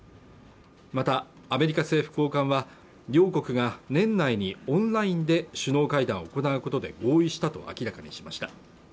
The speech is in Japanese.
またアメリカ政府高官は両国が年内にオンラインで首脳会談を行うことで合意したと明らかにしました